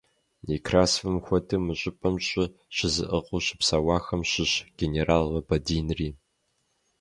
Некрасовым хуэдэу мы щӀыпӀэм щӀы щызыӀыгъыу щыпсэуахэм щыщщ генерал Лабадинри.